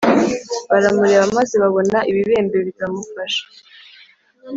baramureba maze babona ibibembe bimufashe